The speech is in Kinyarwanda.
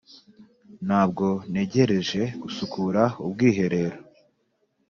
ntabwo ntegereje gusukura ubwiherero.